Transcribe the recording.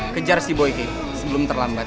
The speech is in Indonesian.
kejar si boy kay sebelum terlambat